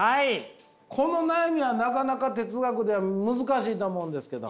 この悩みはなかなか哲学では難しいと思うんですけど。